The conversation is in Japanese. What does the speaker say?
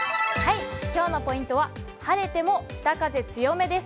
きょうのポイントは、晴れても北風強めです。